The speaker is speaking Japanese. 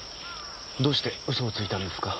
どうして嘘をついたんですか？